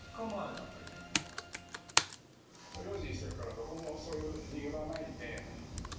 用心してるから、どこもそういう逃げ場はないんで。